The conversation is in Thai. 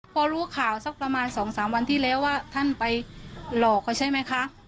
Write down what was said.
พอรู้ข่าวสักประมาณ๒๓วันที่แล้วว่าท่านไปหลอกเขาใช่ไหมคะ